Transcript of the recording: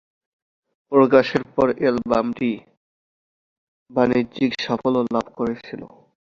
প্রকাশের পর অ্যালবামটি বাণিজ্যিক সাফল্য লাভ করেছিল।